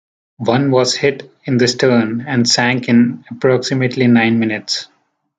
One was hit in the stern and sank in approximately nine minutes.